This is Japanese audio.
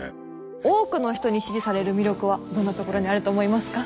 多くの人に支持される魅力はどんなところにあると思いますか？